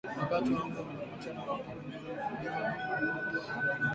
Wakati wa mlo unaofuatia kupe huingiza vimelea hivyo vya ndigana kali kwa mnyama mwingine